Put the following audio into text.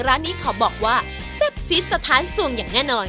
ร้านนี้ขอบอกว่าเซ็บซิดสะท้านสุ่งอย่างง่านอน